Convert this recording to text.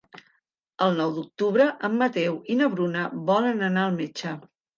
El nou d'octubre en Mateu i na Bruna volen anar al metge.